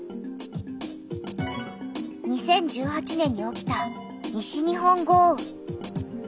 ２０１８年に起きた西日本豪雨。